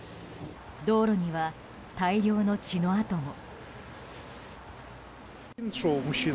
道路には大量の血の痕も。